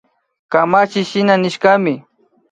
Kamachiy shina nishkami